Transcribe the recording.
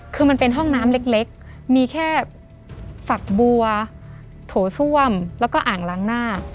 คือมันเป็นห้องน้ำเล็กมีแค่ฝักบัวโถส้วมแล้วก็อ่างล้างหน้า